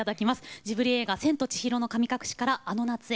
ジブリ映画「千と千尋の神隠し」から「あの夏へ」。